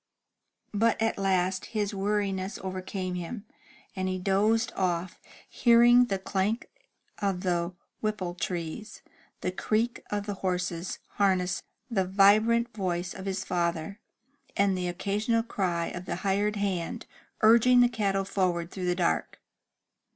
But at last his weariness overcame him, and he dozed off, hearing the clank of the Whipple trees, the creak of the horses* harness, the vibrant voice of his father, and the occasional cry of the hired hand, urging the cattle forward through the dark.